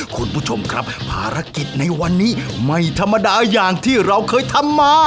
คุณผู้ชมครับภารกิจในวันนี้ไม่ธรรมดาอย่างที่เราเคยทำมา